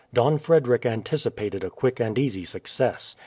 Don Frederick anticipated a quick and easy success.